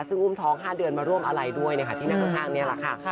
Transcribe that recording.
ซึ่งอุ้มท้อง๕เดือนมาร่วมอะไรด้วยที่นั่งข้างนี้แหละค่ะ